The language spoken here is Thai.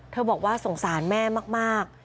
บอกว่าสงสารแม่มาก